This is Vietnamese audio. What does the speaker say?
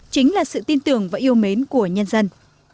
chính là sự tin tưởng và yêu mến của nhân dân